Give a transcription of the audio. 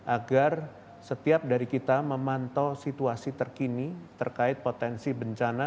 agar setiap dari kita memantau situasi terkini terkait potensi bencana